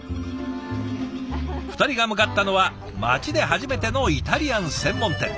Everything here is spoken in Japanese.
２人が向かったのは町で初めてのイタリアン専門店。